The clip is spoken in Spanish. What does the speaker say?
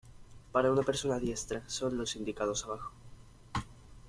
Para una persona diestra, son los indicados abajo.